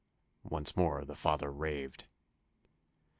Once more the father raved.